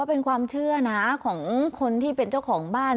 เป็นความเชื่อนะของคนที่เป็นเจ้าของบ้าน